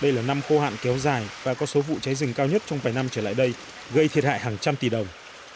đây là năm khô hạn kéo dài và có số vụ cháy rừng cao nhất trong vài năm trở lại đây gây thiệt hại hàng trăm tỷ đồng